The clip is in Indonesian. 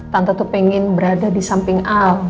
tante tuh pengen berada di samping out